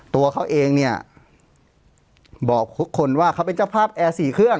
ตัวเขาเองเนี่ยบอกทุกคนว่าเขาเป็นเจ้าภาพแอร์๔เครื่อง